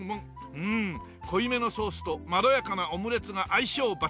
うん濃いめのソースとまろやかなオムレツが相性抜群！